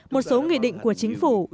một số nghị định của chính phủ